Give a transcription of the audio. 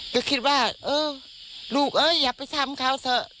ก็คิดว่าเออลูกเอ้ยอย่าไปทำเขาเถอะ